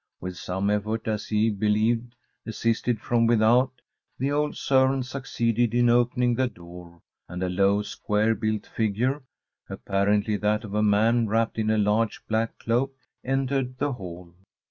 With some effort, as he believed, assisted from without, the old servant succeeded in opening the door; and a low, square built figure, apparently that of a man wrapped in a large black cloak, entered the hall.